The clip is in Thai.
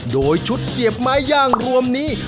โดยชุดเสียบไม้ย่างรวมนี้